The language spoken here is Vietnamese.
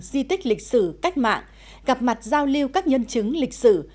di tích lịch sử cách mạng gặp mặt giao lưu các nhân chứng lịch sử